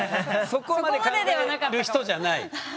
そこまで考える人じゃない？